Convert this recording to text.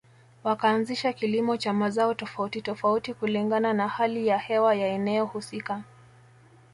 Wakaanzisha kilimo cha mazao tofauti tofauti kulingana na hali ya hewa ya eneo husika